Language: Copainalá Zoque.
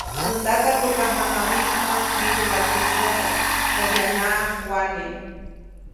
‒ʼäj ndata tukajamabiʼkma widuʼpa täjkomo, obyaʼnaʼajk wane-.